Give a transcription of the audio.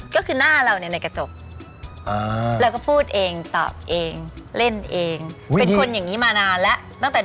ก็คือหน้าเราเนี่ยในกระจกเราก็พูดเองตอบเองเล่นเองเป็นคนอย่างนี้มานานแล้วตั้งแต่